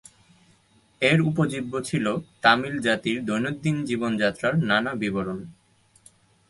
এর উপজীব্য ছিল তামিল জাতির দৈনন্দিন জীবনযাত্রার নানা বিবরণ।